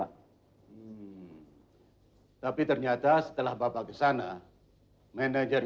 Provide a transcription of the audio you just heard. hai tapi ternyata setelah papa kesana